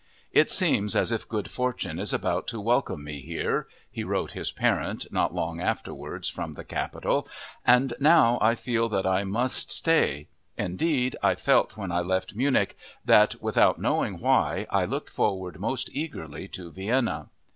"It seems as if good fortune is about to welcome me here," he wrote his parent not long afterwards from the capital, "and now I feel that I must stay. Indeed, I felt when I left Munich, that, without knowing why, I looked forward most eagerly to Vienna."